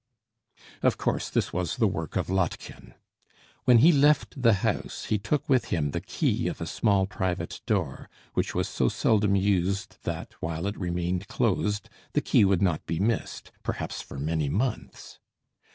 Of course this was the work of Lottchen. When he left the house, he took with him the key of a small private door, which was so seldom used that, while it remained closed, the key would not be missed, perhaps for many months.